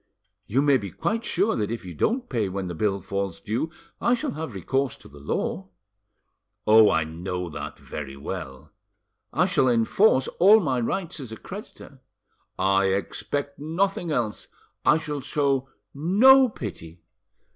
"You may be quite sure that if you don't pay when the bill falls due, I shall have recourse to the law." "Oh, I know that very well." "I shall enforce all my rights as a creditor." "I expect nothing else." "I shall show no pity."